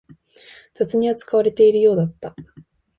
雑に扱われているようだった